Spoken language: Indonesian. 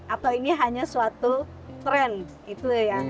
atau ini hanya suatu trend gitu ya